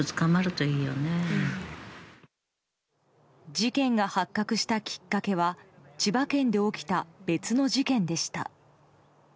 事件が発覚したきっかけは千葉県で起きた別の事件でした。